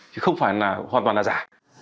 chứ không phải là hoàn toàn là giả